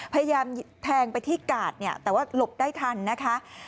พยายามแทงไปที่กาดเนี่ยแต่ว่าหลบได้ทันนะคะ